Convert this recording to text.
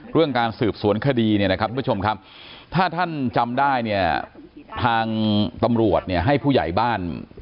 เรื่องการสืบสวนคดีถ้าท่านจำได้ทางตำรวจให้ผู้ใหญ่บ้าน